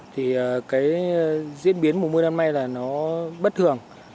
thì cái diễn biến mùa mưa năm nay là nó bất thường